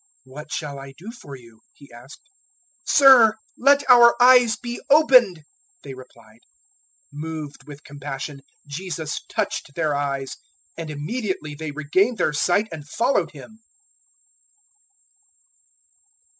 "What shall I do for you?" He asked. 020:033 "Sir, let our eyes be opened," they replied. 020:034 Moved with compassion, Jesus touched their eyes, and immediately they regained their sight and followed Him.